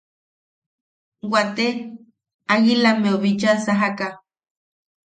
Waate agilammeu bicha sajaka.